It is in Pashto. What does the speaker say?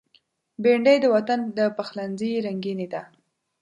بېنډۍ د وطن د پخلنځي رنگیني ده